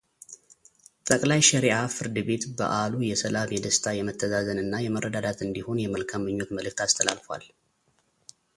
ጠቅላይ ሼሪዓ ፍርድ ቤት በዓሉ የሰላም የደስታ የመተዛዘን እና የመረዳዳት እንዲሆን የመልካም ምኞት መልዕክት አስተላልፏል፡፡